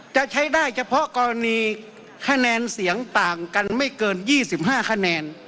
จะใช้ได้เฉพาะกรณีคะแนนเสียงต่างกันไม่เกิน๒๕คะแนน